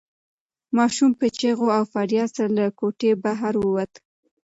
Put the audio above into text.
ماشوم په چیغو او فریاد سره له کوټې بهر ووت.